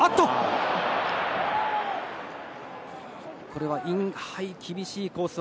これはインハイ、厳しいコース。